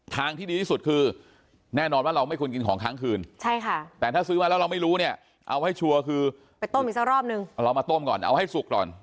ทางที่ดีที่สุดคือแน่นอนว่าเราไม่ควรกินของค้างคืนใช่ค่ะแต่ถ้าซื้อมาแล้วเราไม่รู้เนี่ยเอาให้ชัวร์คือไปต้มอีกสักรอบนึงเรามาต้มก่อนเอาให้สุกก่อน